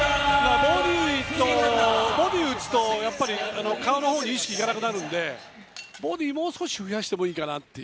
ボディー打つと、顔のほうに意識が行かなくなるのでボディーをもう少し増やしてもいいかなと。